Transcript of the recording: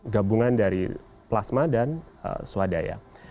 gabungan dari plasma dan swadaya